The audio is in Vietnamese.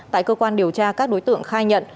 tại cơ quan điều tra các đối tượng khai nhận